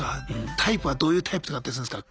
タイプはどういうタイプとかだったりするんすか？